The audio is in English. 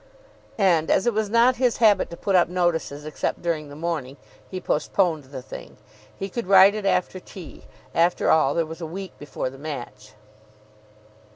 And, as it was not his habit to put up notices except during the morning, he postponed the thing. He could write it after tea. After all, there was a week before the match.